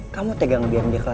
kamu tegang biar dia kelaparan